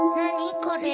これ。